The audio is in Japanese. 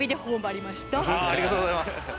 ありがとうございます。